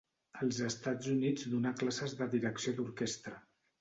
Als Estats Units donà classes de direcció d'orquestra.